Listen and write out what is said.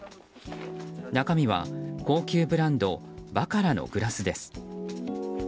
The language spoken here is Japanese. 中身は高級ブランドバカラのグラスです。